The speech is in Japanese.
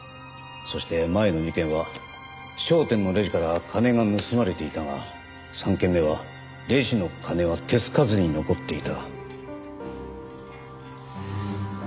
そして前の２件は商店のレジから金が盗まれていたが３件目はレジの金は手つかずで残っていた。